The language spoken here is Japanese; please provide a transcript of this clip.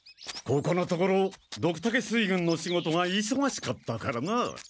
ここのところドクタケ水軍の仕事がいそがしかったからな。